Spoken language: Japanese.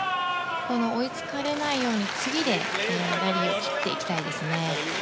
追いつかれないように次でラリーを切っていきたいですね。